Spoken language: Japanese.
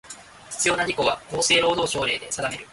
必要な事項は、厚生労働省令で定める。